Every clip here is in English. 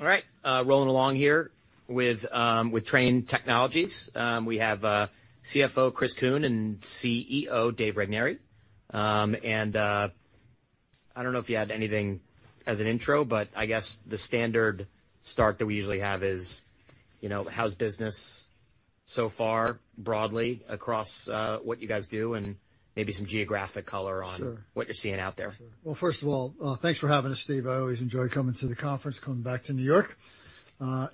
All right, rolling along here with Trane Technologies. We have CFO, Chris Kuehn, and CEO, Dave Regnery. And I don't know if you had anything as an intro, but I guess the standard start that we usually have is, you know, how's business so far, broadly, across what you guys do, and maybe some geographic color on- Sure. What you're seeing out there? Well, first of all, thanks for having us, Steve. I always enjoy coming to the conference, coming back to New York.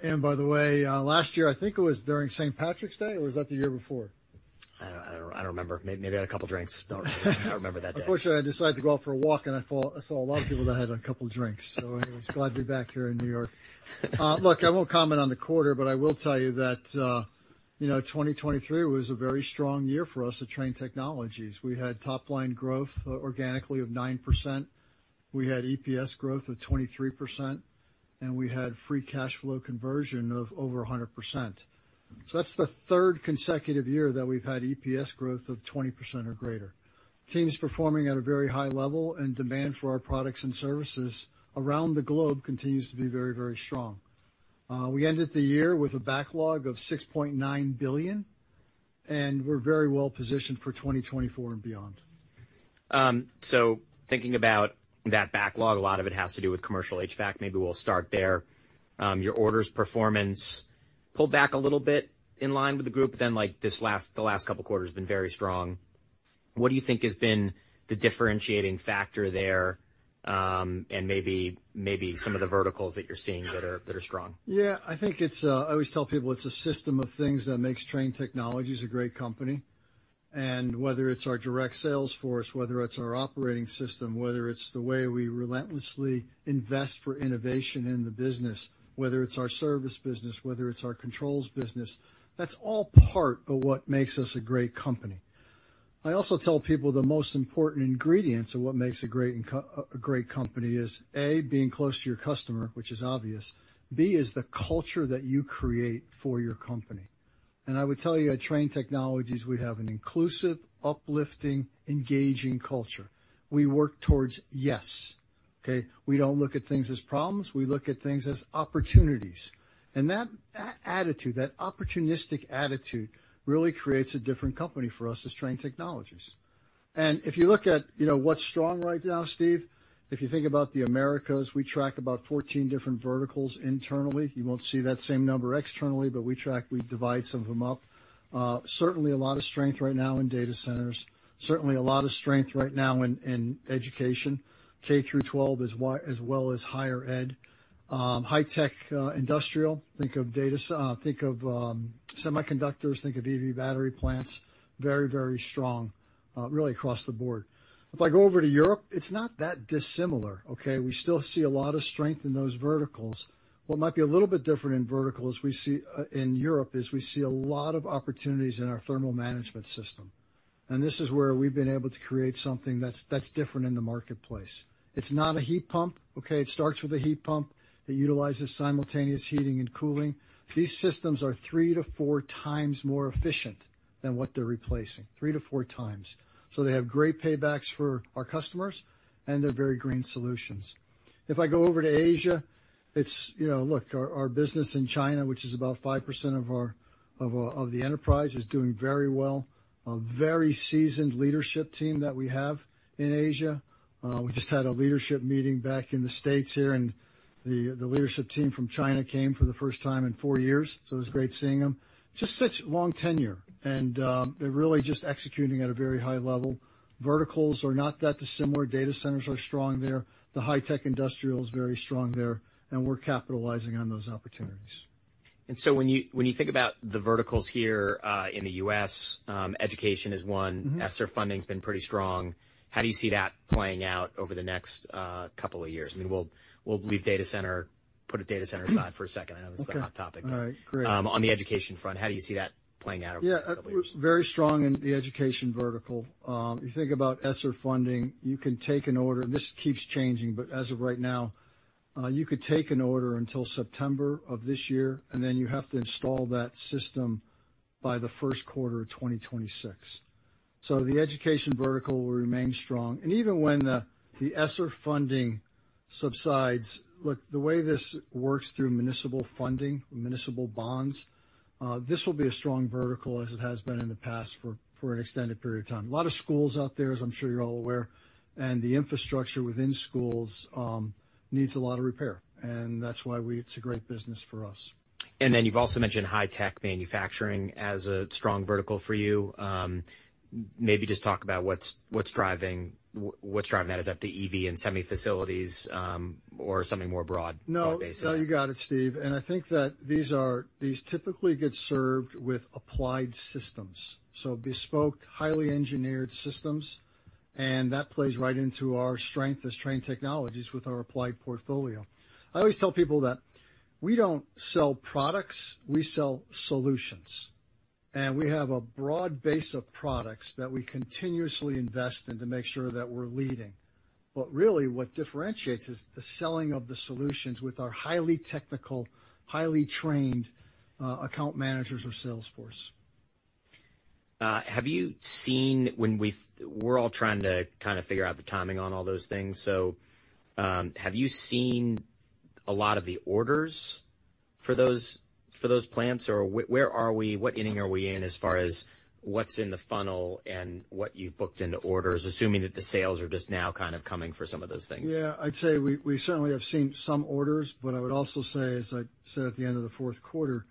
And by the way, last year, I think it was during St. Patrick's Day, or was that the year before? I don't remember. Maybe I had a couple drinks. Don't remember that day. Unfortunately, I decided to go out for a walk, and I saw a lot of people that had a couple drinks, so I was glad to be back here in New York. Look, I won't comment on the quarter, but I will tell you that, you know, 2023 was a very strong year for us at Trane Technologies. We had top-line growth, organically of 9%. We had EPS growth of 23%, and we had free cash flow conversion of over 100%. So that's the third consecutive year that we've had EPS growth of 20% or greater. Team's performing at a very high level, and demand for our products and services around the globe continues to be very, very strong. We ended the year with a backlog of $6.9 billion, and we're very well positioned for 2024 and beyond. Thinking about that backlog, a lot of it has to do with commercial HVAC. Maybe we'll start there. Your orders performance pulled back a little bit in line with the group, but then, like, the last couple quarters been very strong. What do you think has been the differentiating factor there, and maybe, maybe some of the verticals that you're seeing that are, that are strong? Yeah, I think it's a system of things that makes Trane Technologies a great company, and whether it's our direct sales force, whether it's our operating system, whether it's the way we relentlessly invest for innovation in the business, whether it's our service business, whether it's our controls business, that's all part of what makes us a great company. I also tell people the most important ingredients of what makes a great company is, A, being close to your customer, which is obvious, B, is the culture that you create for your company. And I would tell you, at Trane Technologies, we have an inclusive, uplifting, engaging culture. We work towards yes, okay? We don't look at things as problems; we look at things as opportunities. And that attitude, that opportunistic attitude, really creates a different company for us as Trane Technologies. And if you look at, you know, what's strong right now, Steve, if you think about the Americas, we track about 14 different verticals internally. You won't see that same number externally, but we track, we divide some of them up. Certainly a lot of strength right now in data centers. Certainly a lot of strength right now in education, K through 12, as well as higher ed. High-tech, industrial, think of semiconductors, think of EV battery plants, very, very strong, really across the board. If I go over to Europe, it's not that dissimilar, okay? We still see a lot of strength in those verticals. What might be a little bit different in verticals, we see, in Europe, is we see a lot of opportunities in our thermal management system, and this is where we've been able to create something that's, that's different in the marketplace. It's not a heat pump, okay? It starts with a heat pump. It utilizes simultaneous heating and cooling. These systems are 3-4 times more efficient than what they're replacing, 3-4 times. So they have great paybacks for our customers, and they're very green solutions. If I go over to Asia, it's, you know. Look, our, our business in China, which is about 5% of our- of, of the enterprise, is doing very well. A very seasoned leadership team that we have in Asia. We just had a leadership meeting back in the States here, and the leadership team from China came for the first time in four years, so it was great seeing them. Just such long tenure, and they're really just executing at a very high level. Verticals are not that dissimilar. Data centers are strong there. The high-tech industrial is very strong there, and we're capitalizing on those opportunities. And so when you think about the verticals here, in the U.S., education is one. ESSER funding's been pretty strong. How do you see that playing out over the next couple of years? I mean, we'll, we'll leave data center, put a data center aside for a second. Okay. I know that's the hot topic. All right. Great. On the education front, how do you see that playing out over the couple years? Yeah, very strong in the education vertical. You think about ESSER funding, you can take an order, and this keeps changing, but as of right now, you could take an order until September of this year, and then you have to install that system by the first quarter of 2026. So the education vertical will remain strong. And even when the ESSER funding subsides, look, the way this works through municipal funding, municipal bonds, this will be a strong vertical as it has been in the past for an extended period of time. A lot of schools out there, as I'm sure you're all aware, and the infrastructure within schools needs a lot of repair, and that's why it's a great business for us. You've also mentioned high-tech manufacturing as a strong vertical for you. Maybe just talk about what's driving that. Is that the EV and semi facilities, or something more broad-based? No, no, you got it, Steve. I think that these are, these typically get served with applied systems, so bespoke, highly engineered systems, and that plays right into our strength as Trane Technologies with our applied portfolio. I always tell people that we don't sell products, we sell solutions, and we have a broad base of products that we continuously invest in to make sure that we're leading. But really, what differentiates is the selling of the solutions with our highly technical, highly trained account managers or sales force. have you seen when we're all trying to kind of figure out the timing on all those things? So, have you seen a lot of the orders for those, for those plants, or where are we? What inning are we in as far as what's in the funnel and what you've booked into orders, assuming that the sales are just now kind of coming for some of those things? Yeah, I'd say we certainly have seen some orders, but I would also say, as I said at the end of the fourth quarter,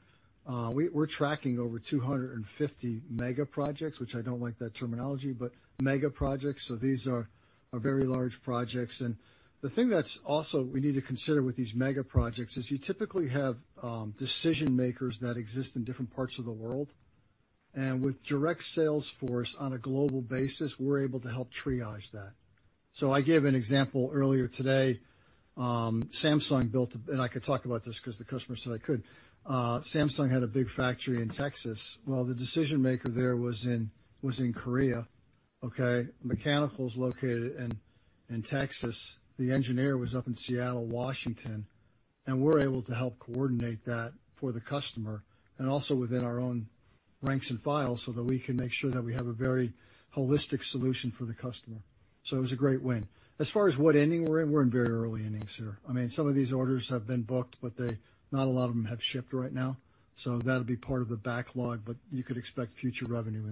we're tracking over 250 mega projects, which I don't like that terminology, but mega projects, so these are very large projects. And the thing that's also we need to consider with these mega projects is you typically have decision-makers that exist in different parts of the world, and with direct sales force on a global basis, we're able to help triage that. So I gave an example earlier today. Samsung built, and I could talk about this because the customer said I could. Samsung had a big factory in Texas. Well, the decision maker there was in Korea, okay? Mechanicals located in Texas. The engineer was up in Seattle, Washington, and we're able to help coordinate that for the customer and also within our own ranks and files, so that we can make sure that we have a very holistic solution for the customer. So it was a great win. As far as what inning we're in, we're in very early innings here. I mean, some of these orders have been booked, but they, not a lot of them have shipped right now, so that'll be part of the backlog, but you could expect future revenue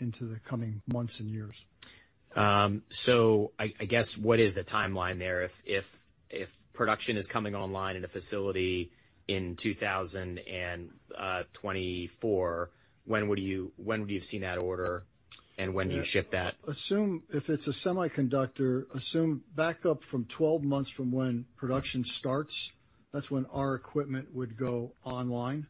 into the coming months and years. So, I guess, what is the timeline there? If production is coming online in a facility in 2024, when would you have seen that order, and when do you ship that? Yeah. Assume if it's a semiconductor, assume back up from 12 months from when production starts, that's when our equipment would go online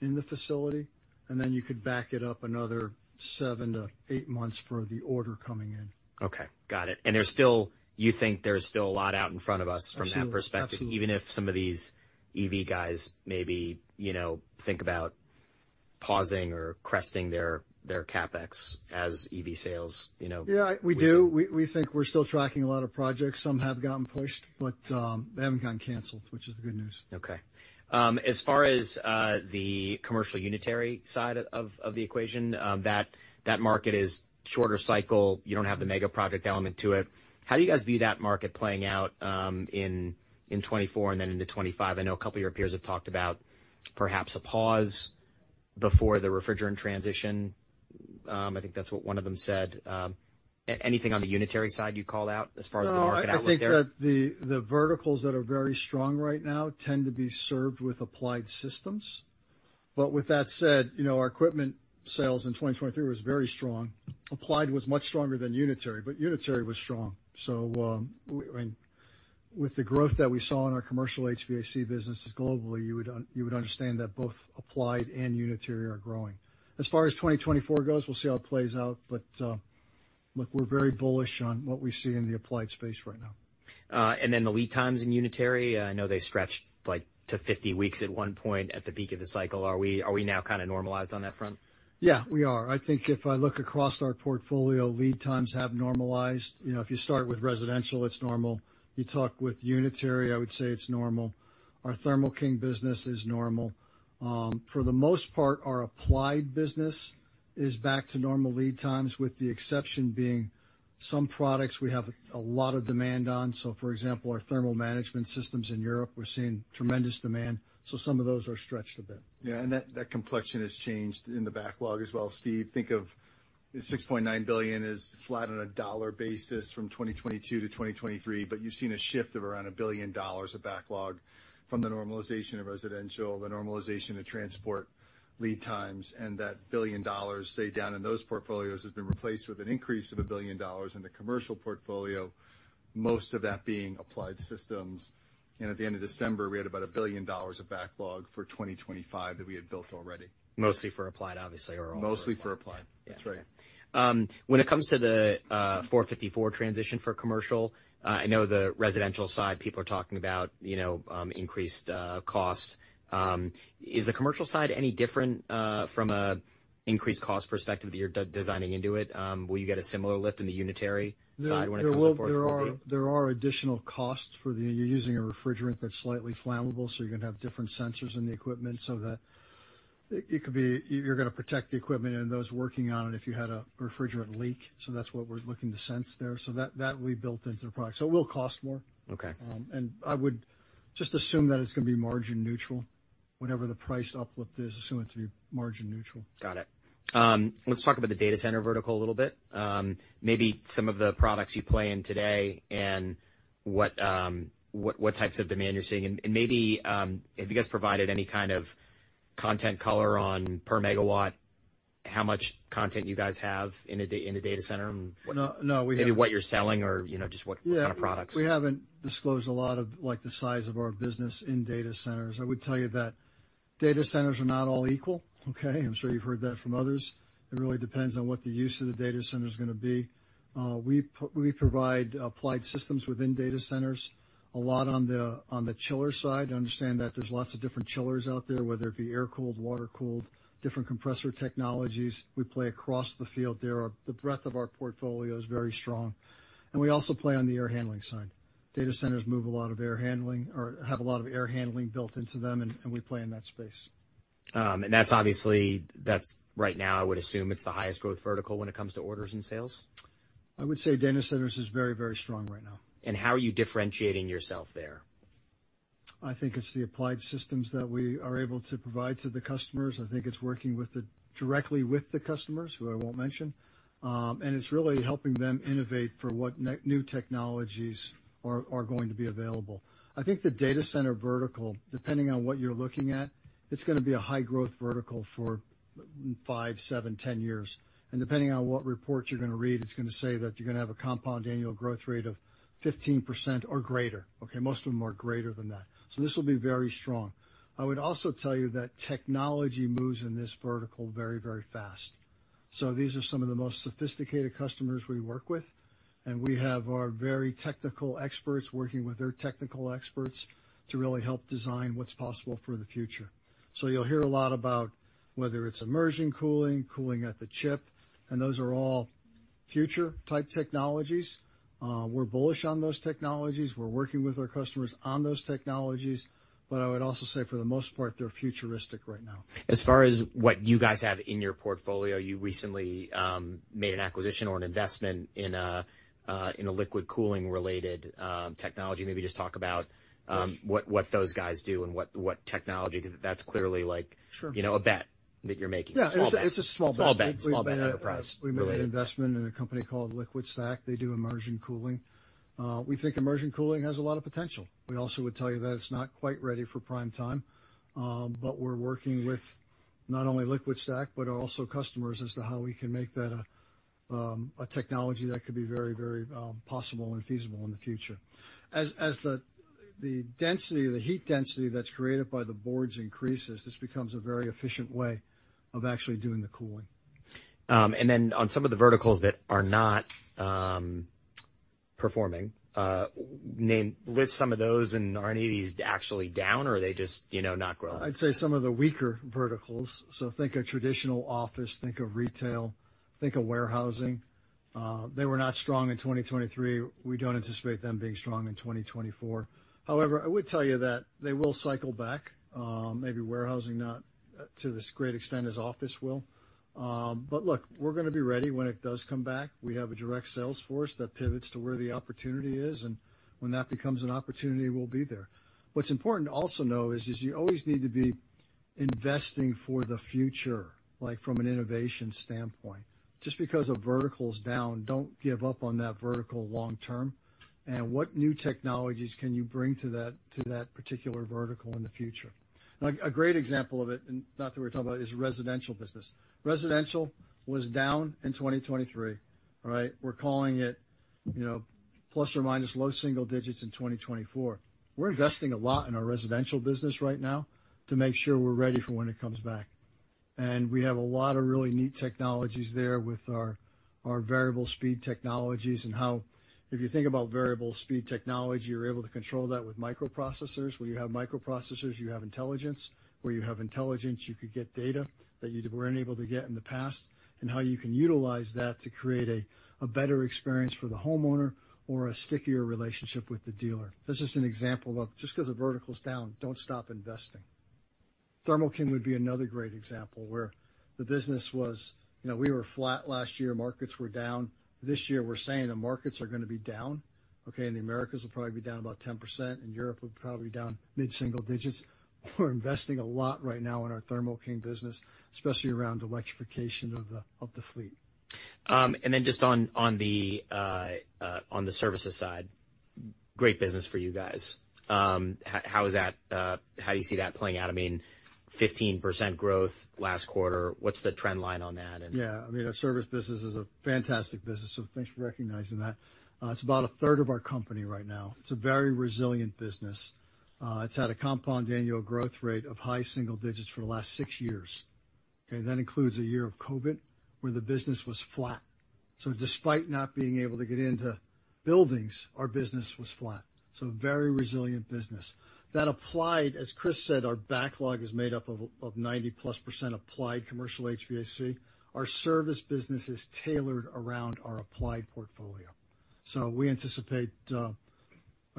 in the facility, and then you could back it up another 7-8 months for the order coming in. Okay, got it. And there's still you think there's still a lot out in front of us from that perspective? Absolutely. even if some of these EV guys maybe, you know, think about pausing or cresting their CapEx as EV sales, you know? Yeah, we do. We think we're still tracking a lot of projects. Some have gotten pushed, but they haven't gotten canceled, which is the good news. Okay. As far as the commercial unitary side of the equation, that market is shorter cycle. You don't have the mega project element to it. How do you guys view that market playing out in 2024 and then into 2025? I know a couple of your peers have talked about perhaps a pause before the refrigerant transition. I think that's what one of them said. Anything on the unitary side you'd call out as far as the market out there? No, I think that the verticals that are very strong right now tend to be served with applied systems. But with that said, you know, our equipment sales in 2023 was very strong. applied was much stronger than unitary, but unitary was strong. So, I mean, with the growth that we saw in our commercial HVAC businesses globally, you would understand that both applied and unitary are growing. As far as 2024 goes, we'll see how it plays out, but, look, we're very bullish on what we see in the applied space right now. And then the lead times in unitary, I know they stretched like to 50 weeks at one point at the peak of the cycle. Are we, are we now kind of normalized on that front? Yeah, we are. I think if I look across our portfolio, lead times have normalized. You know, if you start with residential, it's normal. You talk with unitary, I would say it's normal. Our Thermo King business is normal. For the most part, our applied business is back to normal lead times, with the exception being some products we have a lot of demand on. So, for example, our thermal management systems in Europe, we're seeing tremendous demand, so some of those are stretched a bit. Yeah, and that, that complexion has changed in the backlog as well, Steve. Think of $6.9 billion is flat on a dollar basis from 2022 to 2023, but you've seen a shift of around $1 billion of backlog from the normalization of residential, the normalization of transport lead times, and that $1 billion, say, down in those portfolios, has been replaced with an increase of $1 billion in the commercial portfolio, most of that being applied systems. And at the end of December, we had about $1 billion of backlog for 2025 that we had built already. Mostly for applied, obviously, or all- Mostly for applied. Yeah. That's right. When it comes to the 454 transition for commercial, I know the residential side, people are talking about, you know, increased cost. Is the commercial side any different from a increased cost perspective that you're designing into it? Will you get a similar lift in the unitary side when it comes to 410? There are additional costs for the. You're using a refrigerant that's slightly flammable, so you're gonna have different sensors in the equipment so that it could be... You're gonna protect the equipment and those working on it if you had a refrigerant leak, so that's what we're looking to sense there. So that we built into the product, so it will cost more. Okay. I would just assume that it's gonna be margin neutral. Whatever the price uplift is, assume it to be margin neutral. Got it. Let's talk about the data center vertical a little bit. Maybe some of the products you play in today and what types of demand you're seeing, and maybe have you guys provided any kind of content color on per megawatt, how much content you guys have in a data center and what- No, no, we have- Maybe what you're selling or, you know, just what kind of products? Yeah. We haven't disclosed a lot of, like, the size of our business in data centers. I would tell you that data centers are not all equal. Okay? I'm sure you've heard that from others. It really depends on what the use of the data center is gonna be. We provide applied systems within data centers, a lot on the, on the chiller side. Understand that there's lots of different chillers out there, whether it be air-cooled, water-cooled, different compressor technologies. We play across the field there. Our the breadth of our portfolio is very strong, and we also play on the air handling side. Data centers move a lot of air handling or have a lot of air handling built into them, and we play in that space. And that's obviously, that's right now, I would assume it's the highest growth vertical when it comes to orders and sales? I would say data centers is very, very strong right now. How are you differentiating yourself there? I think it's the applied systems that we are able to provide to the customers. I think it's working directly with the customers, who I won't mention. And it's really helping them innovate for what new technologies are going to be available. I think the data center vertical, depending on what you're looking at, it's gonna be a high growth vertical for 5, 7, 10 years, and depending on what report you're gonna read, it's gonna say that you're gonna have a compound annual growth rate of 15% or greater, okay? Most of them are greater than that. So this will be very strong. I would also tell you that technology moves in this vertical very, very fast. So these are some of the most sophisticated customers we work with, and we have our very technical experts working with their technical experts to really help design what's possible for the future. So you'll hear a lot about whether it's immersion cooling, cooling at the chip, and those are all future type technologies. We're bullish on those technologies. We're working with our customers on those technologies, but I would also say, for the most part, they're futuristic right now. As far as what you guys have in your portfolio, you recently made an acquisition or an investment in a liquid cooling related technology. Maybe just talk about what those guys do and what technology, because that's clearly like- Sure you know, a bet that you're making. Yeah. Small bet. It's a small bet. Small bet, small bet, enterprise related. We made an investment in a company called LiquidStack. They do immersion cooling. We think immersion cooling has a lot of potential. We also would tell you that it's not quite ready for prime time, but we're working with not only LiquidStack, but also customers, as to how we can make that a technology that could be very, very possible and feasible in the future. As the density, the heat density that's created by the boards increases, this becomes a very efficient way of actually doing the cooling. And then on some of the verticals that are not performing, list some of those, and aren't any of these actually down, or are they just, you know, not growing? I'd say some of the weaker verticals, so think of traditional office, think of retail, think of warehousing. They were not strong in 2023. We don't anticipate them being strong in 2024. However, I would tell you that they will cycle back. Maybe warehousing, not, to this great extent as office will. But look, we're gonna be ready when it does come back. We have a direct sales force that pivots to where the opportunity is, and when that becomes an opportunity, we'll be there. What's important to also know is you always need to be investing for the future, like, from an innovation standpoint. Just because a vertical is down, don't give up on that vertical long term. And what new technologies can you bring to that, to that particular vertical in the future? A great example of it, and not that we're talking about, is residential business. residential was down in 2023, all right? We're calling it, you know, ± low single digits in 2024. We're investing a lot in our residential business right now to make sure we're ready for when it comes back. We have a lot of really neat technologies there with our variable speed technologies and how, if you think about variable speed technology, you're able to control that with microprocessors. Where you have microprocessors, you have intelligence. Where you have intelligence, you could get data that you weren't able to get in the past, and how you can utilize that to create a better experience for the homeowner or a stickier relationship with the dealer. This is an example of just because a vertical is down, don't stop investing. Thermo King would be another great example where the business was. You know, we were flat last year. Markets were down. This year, we're saying the markets are gonna be down, okay, and the Americas will probably be down about 10%, and Europe will probably down mid-single digits. We're investing a lot right now in our Thermo King business, especially around electrification of the, of the fleet. And then just on the services side, great business for you guys. How is that, how do you see that playing out? I mean, 15% growth last quarter. What's the trend line on that and- Yeah, I mean, our service business is a fantastic business, so thanks for recognizing that. It's about a third of our company right now. It's a very resilient business. It's had a compound annual growth rate of high single digits for the last six years, okay? That includes a year of COVID, where the business was flat. So despite not being able to get into buildings, our business was flat. So a very resilient business. That applied, as Chris said, our backlog is made up of ninety-plus percent applied commercial HVAC. Our service business is tailored around our applied portfolio, so we anticipate a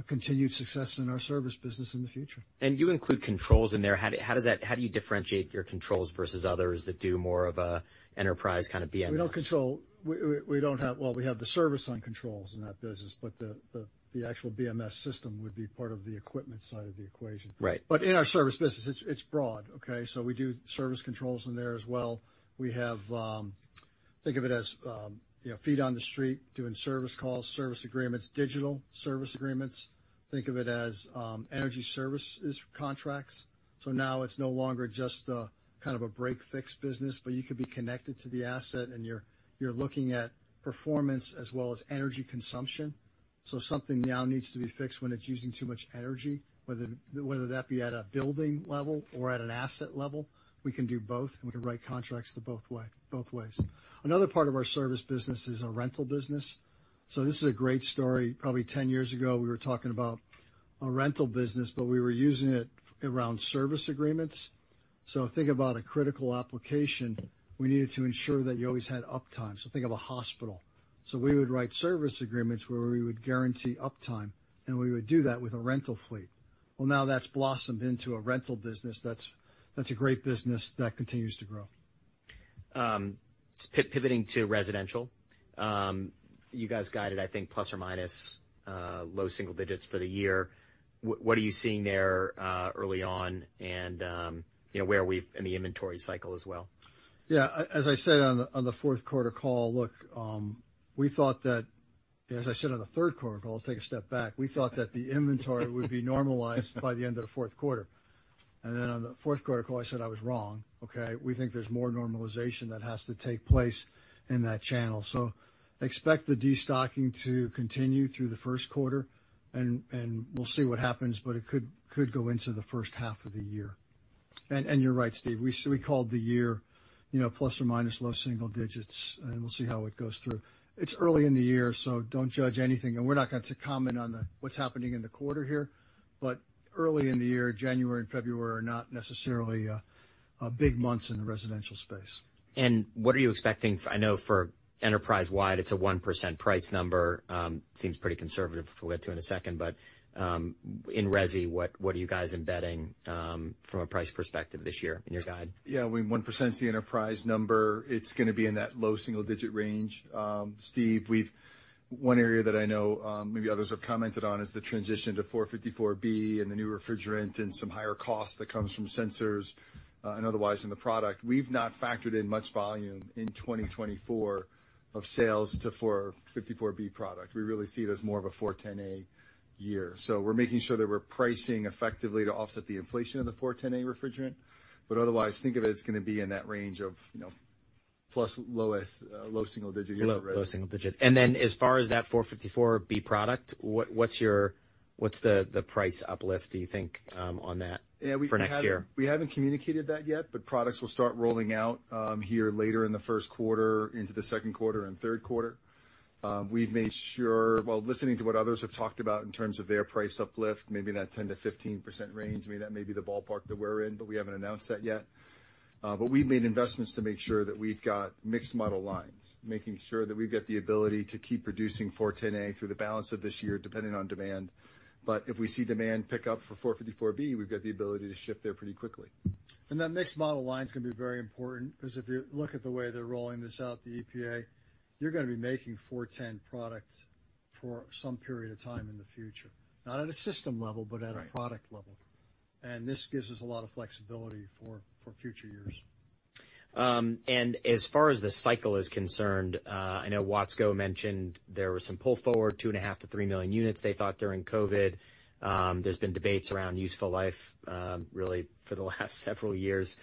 continued success in our service business in the future. You include controls in there. How do you differentiate your controls versus others that do more of an enterprise kind of BMS? We don't control. We don't have. Well, we have the service on controls in that business, but the actual BMS system would be part of the equipment side of the equation. Right. But in our service business, it's broad, okay? So we do service controls in there as well. We have, think of it as, you know, feet on the street, doing service calls, service agreements, digital service agreements. Think of it as, energy services contracts. So now it's no longer just kind of a break-fix business, but you could be connected to the asset, and you're looking at performance as well as energy consumption. So something now needs to be fixed when it's using too much energy, whether that be at a building level or at an asset level. We can do both, and we can write contracts both ways. Another part of our service business is our rental business. So this is a great story. Probably 10 years ago, we were talking about... a rental business, but we were using it around service agreements. So think about a critical application. We needed to ensure that you always had uptime, so think of a hospital. So we would write service agreements where we would guarantee uptime, and we would do that with a rental fleet. Well, now that's blossomed into a rental business. That's, that's a great business. That continues to grow. Pivoting to residential. You guys guided, I think, ± low single digits for the year. What are you seeing there early on? And, you know, where are we in the inventory cycle as well? Yeah, as I said on the fourth quarter call, look, we thought that. As I said on the third quarter call, I'll take a step back. We thought that the inventory would be normalized by the end of the fourth quarter, and then on the fourth quarter call, I said I was wrong. Okay? We think there's more normalization that has to take place in that channel. So expect the destocking to continue through the first quarter, and we'll see what happens, but it could go into the first half of the year. And you're right, Steve, we called the year, you know, plus or minus low single digits, and we'll see how it goes through. It's early in the year, so don't judge anything, and we're not going to comment on what's happening in the quarter here. Early in the year, January and February are not necessarily big months in the residential space. What are you expecting? I know for enterprise-wide, it's a 1% price number. Seems pretty conservative, we'll get to in a second, but, in resi, what are you guys embedding, from a price perspective this year in your guide? Yeah, one percent is the enterprise number. It's gonna be in that low single-digit range. Steve, one area that I know, maybe others have commented on, is the transition to R-454B and the new refrigerant and some higher costs that comes from sensors and otherwise in the product. We've not factored in much volume in 2024 of sales to R-454B product. We really see it as more of a R-410A year. So we're making sure that we're pricing effectively to offset the inflation of the R-410A refrigerant. But otherwise, think of it, it's gonna be in that range of, you know, plus low, low single digit. Low, low single digit. And then as far as that R-454B product, what's the price uplift, do you think, on that for next year? We haven't communicated that yet, but products will start rolling out here later in the first quarter into the second quarter and third quarter. We've made sure... While listening to what others have talked about in terms of their price uplift, maybe that 10%-15% range, I mean, that may be the ballpark that we're in, but we haven't announced that yet. But we've made investments to make sure that we've got mixed model lines, making sure that we've got the ability to keep producing R-410A through the balance of this year, depending on demand. But if we see demand pick up for R-454B, we've got the ability to shift there pretty quickly. That mixed model line is gonna be very important, because if you look at the way they're rolling this out, the EPA, you're gonna be making 410 product for some period of time in the future. Not at a system level- Right but at a product level. This gives us a lot of flexibility for future years. As far as the cycle is concerned, I know Watsco mentioned there was some pull forward, 2.5-3 million units they thought during COVID. There's been debates around useful life, really, for the last several years.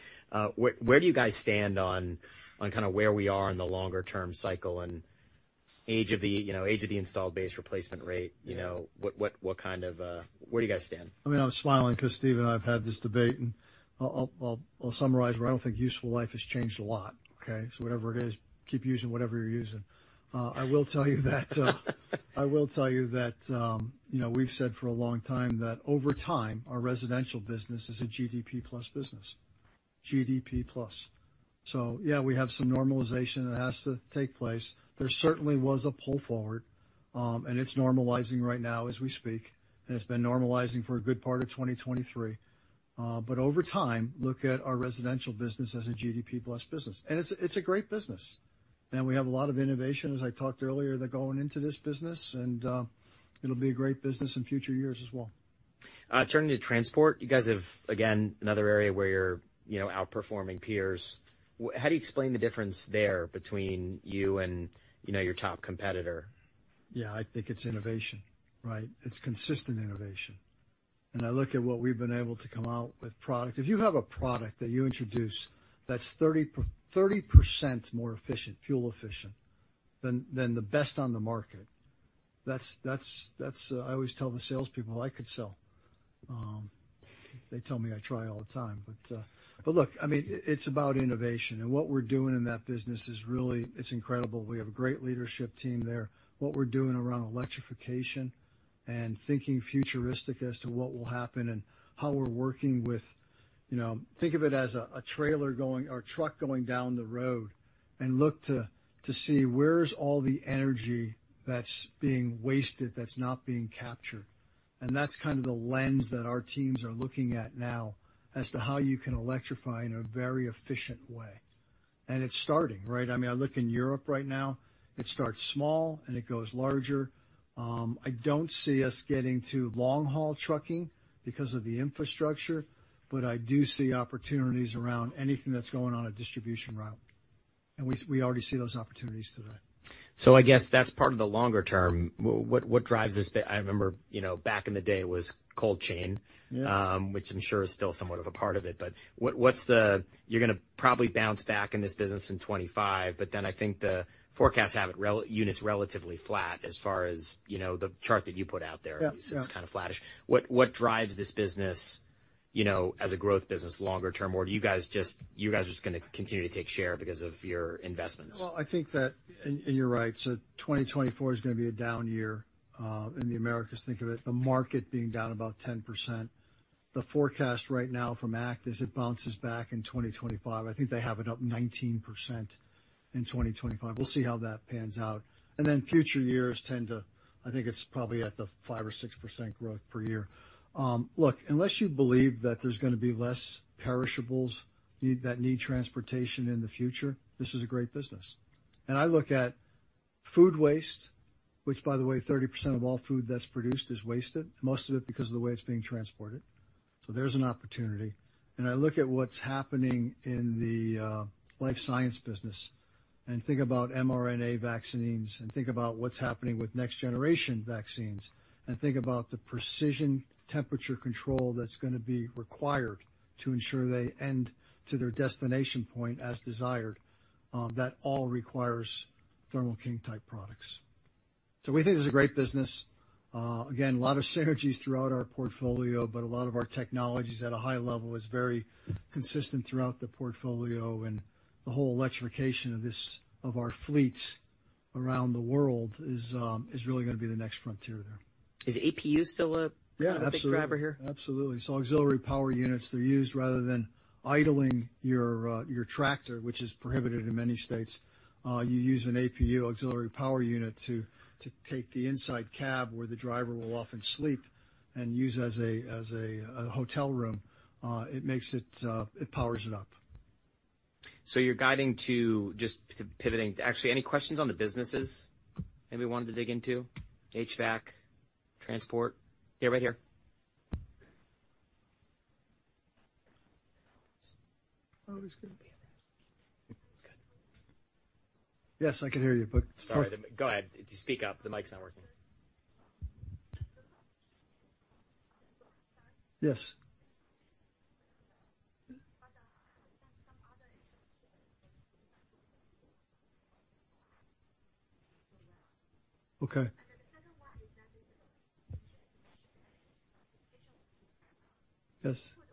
Where do you guys stand on kind of where we are in the longer-term cycle and age of the, you know, age of the installed base replacement rate? Yeah. You know, what kind of. Where do you guys stand? I mean, I was smiling because Steve and I have had this debate, and I'll summarize where I don't think useful life has changed a lot, okay? So whatever it is, keep using whatever you're using. I will tell you that, you know, we've said for a long time that over time, our residential business is a GDP plus business. GDP plus. So yeah, we have some normalization that has to take place. There certainly was a pull forward, and it's normalizing right now as we speak, and it's been normalizing for a good part of 2023. But over time, look at our residential business as a GDP plus business. It's, it's a great business, and we have a lot of innovation, as I talked earlier, that's going into this business, and it'll be a great business in future years as well. Turning to transport, you guys have, again, another area where you're, you know, outperforming peers. How do you explain the difference there between you and, you know, your top competitor? Yeah, I think it's innovation, right? It's consistent innovation. And I look at what we've been able to come out with product. If you have a product that you introduce that's 30% more efficient, fuel efficient, than the best on the market, that's. I always tell the salespeople I could sell. They tell me I try all the time, but. But look, I mean, it's about innovation, and what we're doing in that business is really, it's incredible. We have a great leadership team there. What we're doing around electrification and thinking futuristic as to what will happen and how we're working with, you know, think of it as a trailer going or truck going down the road, and look to see where's all the energy that's being wasted, that's not being captured. That's kind of the lens that our teams are looking at now as to how you can electrify in a very efficient way. It's starting, right? I mean, I look in Europe right now, it starts small, and it goes larger. I don't see us getting to long-haul trucking because of the infrastructure, but I do see opportunities around anything that's going on a distribution route. We already see those opportunities today. So I guess that's part of the longer term. What drives this? I remember, you know, back in the day was cold chain- Yeah which I'm sure is still somewhat of a part of it, but what's the—you're gonna probably bounce back in this business in 2025, but then I think the forecasts have it units relatively flat as far as, you know, the chart that you put out there. Yeah, yeah. It's kind of flattish. What, what drives this business? You know, as a growth business longer term, or do you guys just, you guys are just gonna continue to take share because of your investments? Well, I think that, and, and you're right, so 2024 is gonna be a down year in the Americas. Think of it, the market being down about 10%. The forecast right now from ACT is it bounces back in 2025. I think they have it up 19% in 2025. We'll see how that pans out. And then future years tend to, I think it's probably at the 5% or 6% growth per year. Look, unless you believe that there's gonna be less perishables need, that need transportation in the future, this is a great business. And I look at food waste, which by the way, 30% of all food that's produced is wasted, most of it because of the way it's being transported. So there's an opportunity, and I look at what's happening in the life science business and think about mRNA vaccines, and think about what's happening with next generation vaccines, and think about the precision temperature control that's gonna be required to ensure they end to their destination point as desired. That all requires Thermo King type products. So we think this is a great business. Again, a lot of synergies throughout our portfolio, but a lot of our technologies at a high level is very consistent throughout the portfolio, and the whole electrification of this, of our fleets around the world is really gonna be the next frontier there. Is APU still a- Yeah, absolutely. A big driver here? Absolutely. So auxiliary power units, they're used rather than idling your tractor, which is prohibited in many states. You use an APU, auxiliary power unit, to take the inside cab, where the driver will often sleep and use as a hotel room. It powers it up. So you're guiding to. Just to pivot, actually, any questions on the businesses anybody wanted to dig into? HVAC, transport? Yeah, right here. Oh, he's good. Good. Yes, I can hear you, but- Sorry, go ahead. Just speak up, the mic's not working. Sorry. Yes. But, some other Okay. And the second one is, Yes. Put all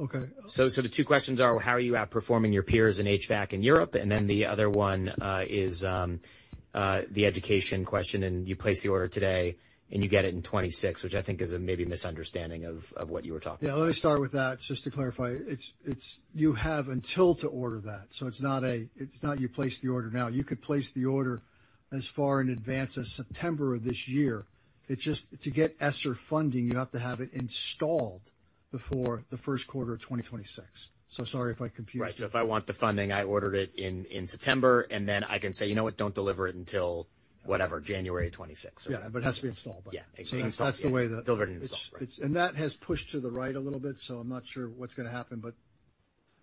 out, six. Is it the quote? Okay. The two questions are, how are you outperforming your peers in HVAC in Europe? And then the other one is the education question, and you place the order today, and you get it in 2026, which I think is a maybe misunderstanding of what you were talking about. Yeah, let me start with that. Just to clarify, you have until to order that, so it's not, you place the order now. You could place the order as far in advance as September of this year. It just, to get ESSER funding, you have to have it installed before the first quarter of 2026. So sorry if I confused you. Right. So if I want the funding, I ordered it in September, and then I can say, "You know what? Don't deliver it until, whatever, January of 2026. Yeah, but it has to be installed by then. Yeah, exactly. So that's the way the- Delivered and installed, right? That has pushed to the right a little bit, so I'm not sure what's gonna happen, but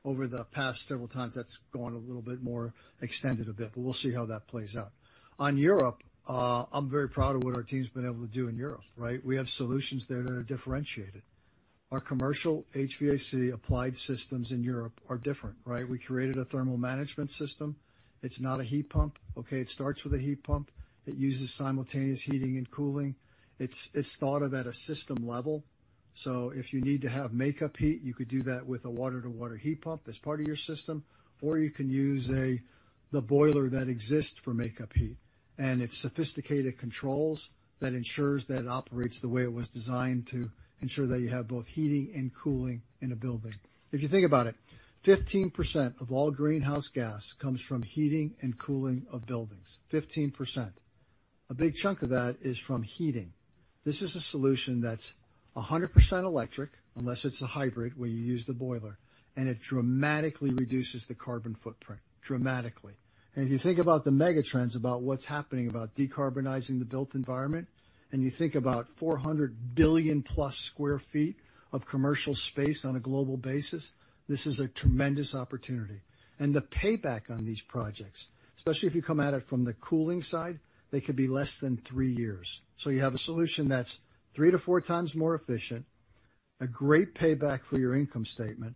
over the past several times, that's gone a little bit more extended a bit, but we'll see how that plays out. On Europe, I'm very proud of what our team's been able to do in Europe, right? We have solutions there that are differentiated. Our commercial HVAC applied systems in Europe are different, right? We created a thermal management system. It's not a heat pump, okay? It starts with a heat pump. It uses simultaneous heating and cooling. It's thought of at a system level. So if you need to have makeup heat, you could do that with a water-to-water heat pump as part of your system, or you can use the boiler that exists for makeup heat. It's sophisticated controls that ensures that it operates the way it was designed to ensure that you have both heating and cooling in a building. If you think about it, 15% of all greenhouse gas comes from heating and cooling of buildings. 15%. A big chunk of that is from heating. This is a solution that's 100% electric, unless it's a hybrid, where you use the boiler, and it dramatically reduces the carbon footprint. Dramatically. If you think about the mega trends, about what's happening, about decarbonizing the built environment, and you think about 400 billion+ sq ft of commercial space on a global basis, this is a tremendous opportunity. The payback on these projects, especially if you come at it from the cooling side, they could be less than 3 years. So you have a solution that's 3-4 times more efficient, a great payback for your income statement,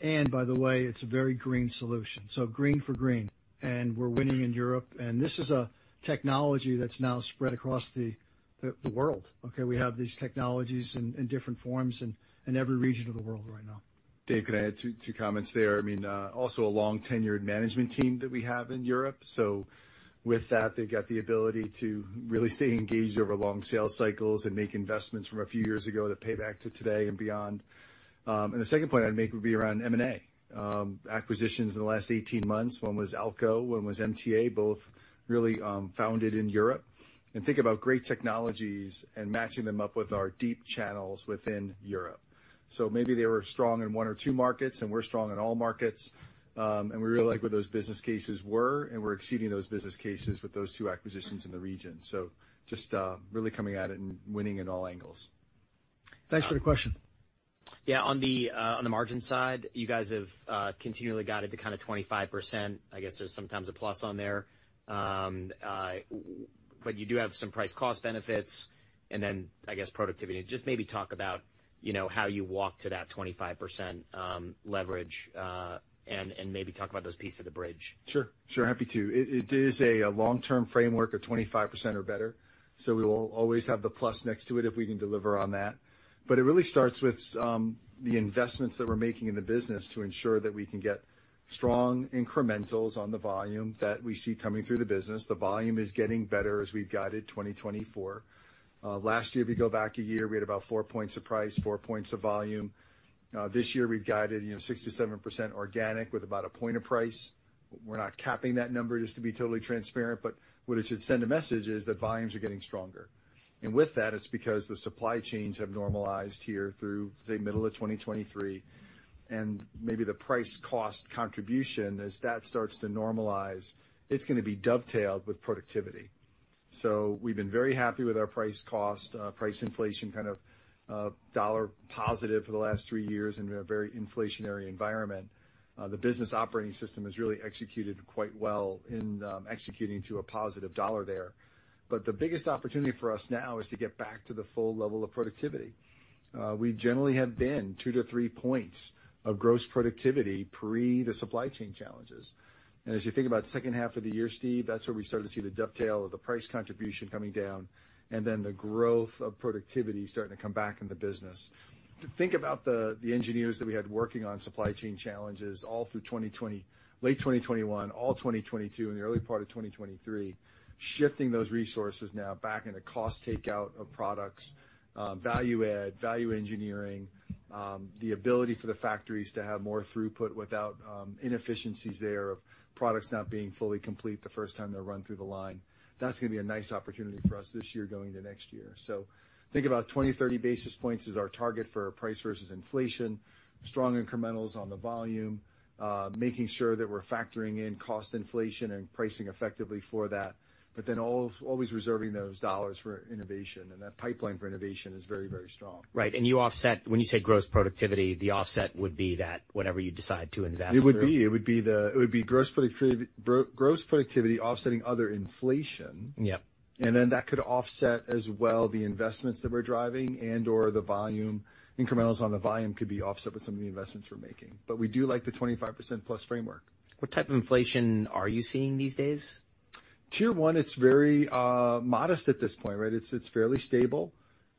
and by the way, it's a very green solution. So green for green, and we're winning in Europe, and this is a technology that's now spread across the world. Okay, we have these technologies in different forms and in every region of the world right now. Dave, could I add two comments there? I mean, also a long-tenured management team that we have in Europe. So with that, they've got the ability to really stay engaged over long sales cycles and make investments from a few years ago that pay back to today and beyond. And the second point I'd make would be around M&A. Acquisitions in the last eighteen months. One was AL-KO Thanks for the question. Yeah, on the margin side, you guys have continually guided to kind of 25%. I guess there's sometimes a plus on there. But you do have some price cost benefits, and then, I guess, productivity. Just maybe talk about, you know, how you walk to that 25% leverage, and maybe talk about those pieces of the bridge. Sure, sure. Happy to. It, it is a long-term framework of 25% or better, so we will always have the plus next to it if we can deliver on that. But it really starts with the investments that we're making in the business to ensure that we can get strong incrementals on the volume that we see coming through the business. The volume is getting better as we've guided 2024. Last year, if you go back a year, we had about 4 points of price, 4 points of volume. This year, we've guided, you know, 6%-7% organic with about a point of price. We're not capping that number, just to be totally transparent, but what it should send a message is that volumes are getting stronger. And with that, it's because the supply chains have normalized here through, say, middle of 2023, and maybe the price-cost contribution, as that starts to normalize, it's gonna be dovetailed with productivity. So we've been very happy with our price cost, price inflation, kind of, dollar positive for the last 3 years in a very inflationary environment. The business operating system has really executed quite well in, executing to a positive dollar there. But the biggest opportunity for us now is to get back to the full level of productivity. We generally have been 2-3 points of gross productivity pre the supply chain challenges. And as you think about the second half of the year, Steve, that's where we start to see the dovetail of the price contribution coming down, and then the growth of productivity starting to come back in the business. To think about the engineers that we had working on supply chain challenges all through 2020... late 2021, all 2022, and the early part of 2023, shifting those resources now back into cost takeout of products, value add, value engineering, the ability for the factories to have more throughput without inefficiencies there of products not being fully complete the first time they're run through the line. That's gonna be a nice opportunity for us this year, going into next year. So think about 20-30 basis points is our target for price versus inflation, strong incrementals on the volume, making sure that we're factoring in cost inflation and pricing effectively for that, but then always reserving those dollars for innovation, and that pipeline for innovation is very, very strong. Right. And you offset, when you say gross productivity, the offset would be that whatever you decide to invest through? It would be gross productivity, gross productivity offsetting other inflation. Yep. And then that could offset as well the investments that we're driving and/or the volume, incrementals on the volume could be offset with some of the investments we're making. But we do like the 25% plus framework. What type of inflation are you seeing these days? Tier one, it's very modest at this point, right? It's fairly stable.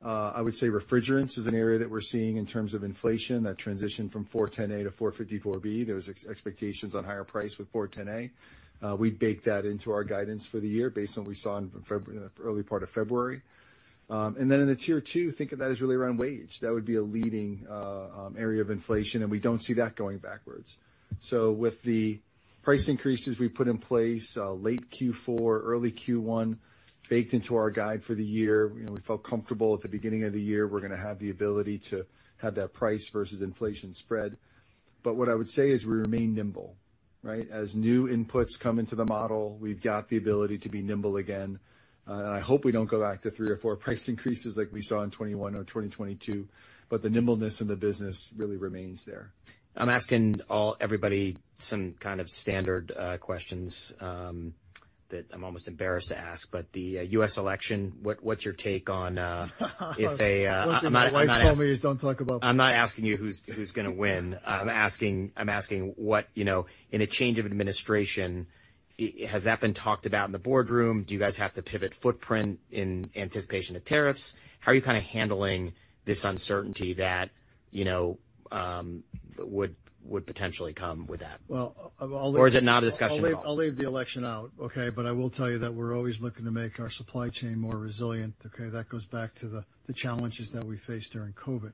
I would say refrigerants is an area that we're seeing in terms of inflation. That transition from R-410A to R-454B, there was expectations on higher price with R-410A. We baked that into our guidance for the year based on what we saw in early part of February. And then in the tier two, think of that as really around wage. That would be a leading area of inflation, and we don't see that going backwards. So with the price increases we put in place, late Q4, early Q1, baked into our guide for the year, you know, we felt comfortable at the beginning of the year, we're gonna have the ability to have that price versus inflation spread. But what I would say is we remain nimble, right? As new inputs come into the model, we've got the ability to be nimble again. And I hope we don't go back to three or four price increases like we saw in 2021 or 2022, but the nimbleness in the business really remains there. I'm asking all everybody some kind of standard questions that I'm almost embarrassed to ask, but the U.S. election, what's your take on One thing my wife told me is don't talk about- I'm not asking you who's gonna win. I'm asking what, you know, in a change of administration, has that been talked about in the boardroom? Do you guys have to pivot footprint in anticipation of tariffs? How are you kinda handling this uncertainty that, you know, would potentially come with that? Well, I'll leave- Or is it not a discussion at all? I'll leave, I'll leave the election out, okay? But I will tell you that we're always looking to make our supply chain more resilient, okay? That goes back to the challenges that we faced during COVID.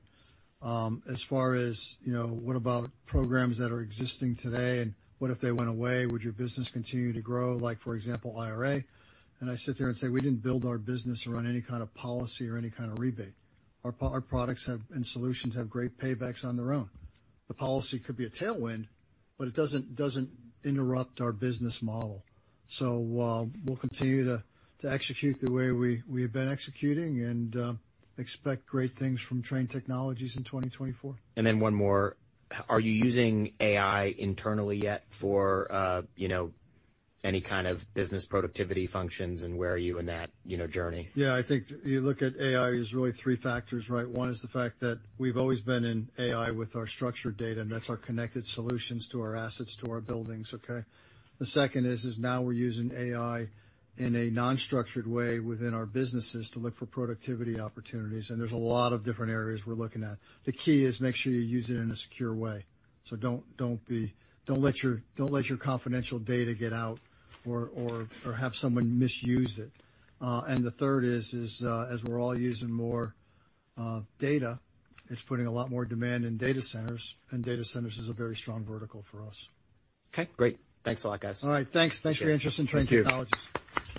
As far as, you know, what about programs that are existing today, and what if they went away? Would your business continue to grow, like, for example, IRA? And I sit there and say, "We didn't build our business around any kind of policy or any kind of rebate." Our products have, and solutions, have great paybacks on their own. The policy could be a tailwind, but it doesn't interrupt our business model. So, we'll continue to execute the way we have been executing and expect great things from Trane Technologies in 2024. And then one more. Are you using AI internally yet for, you know, any kind of business productivity functions, and where are you in that, you know, journey? Yeah, I think you look at AI as really three factors, right? One is the fact that we've always been in AI with our structured data, and that's our connected solutions to our assets, to our buildings, okay? The second is now we're using AI in a non-structured way within our businesses to look for productivity opportunities, and there's a lot of different areas we're looking at. The key is make sure you use it in a secure way. So don't let your confidential data get out or have someone misuse it. And the third is as we're all using more data, it's putting a lot more demand in data centers, and data centers is a very strong vertical for us. Okay, great. Thanks a lot, guys. All right. Thanks. Thank you. Thanks for your interest in Trane Technologies.